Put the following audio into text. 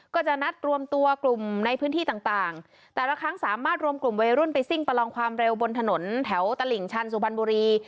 ก็จะนัดรวมตัวกลุ่มในพื้นที่ต่างแต่ละครั้งสามารถรวมกลุ่มวัยรุ่นไปซิ่งประลองความเร็วบนถนนแถวตลิ่งชันสุพรรณบุรี